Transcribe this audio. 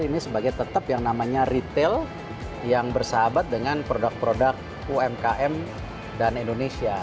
ini sebagai tetap yang namanya retail yang bersahabat dengan produk produk umkm dan indonesia